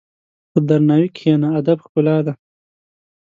په درناوي کښېنه، ادب ښکلا ده.